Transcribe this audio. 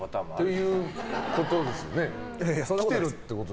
っていうことですよね。